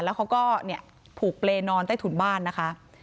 แล้วเขาก็เนี่ยผูกเปเลยได้ทุนบ้านนะคะ